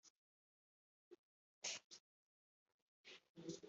gushishikara gukora ikintu ukitayeho